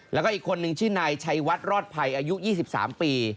แล้วก็อีกคนนึงชื่อนายชัยวัดรอดภัยอายุ๒๓ปี